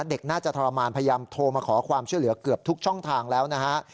เด็กน่าจะทรมานพยายามโทรมาขอความช่วยเหลือเกือบทุกช่องทางแล้วนะฮะ